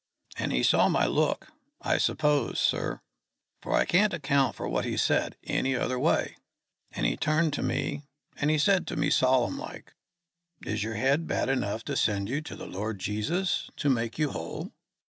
And he saw my look, I suppose, sir, for I can't account for what he said any other way; and he turned to me, and he said to me, solemn like, 'Is your head bad enough to send you to the Lord Jesus to make you whole?